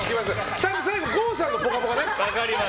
ちゃんと最後、郷さんの「ぽかぽか」ね。